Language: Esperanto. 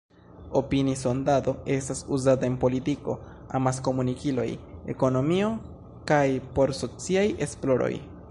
Opini-sondado estas uzata en politiko, amas-komunikiloj, ekonomio kaj por sociaj esploroj.